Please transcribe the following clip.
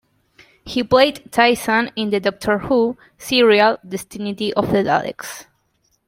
He played Tyssan in the "Doctor Who" serial "Destiny of the Daleks".